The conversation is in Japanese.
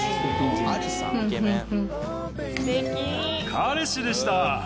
彼氏でした。